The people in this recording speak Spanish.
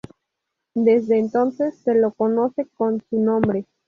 Desde entonces se lo conoce con su nombre.